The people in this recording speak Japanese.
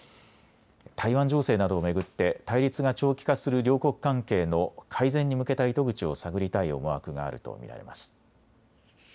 台湾情勢などを巡って対立が長期化する両国関係の改善に向けた糸口を探りたい思惑があると見られます。